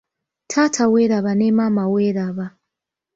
Taata weeraba ne maama weeraba.